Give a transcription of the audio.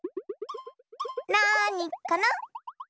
なにかな？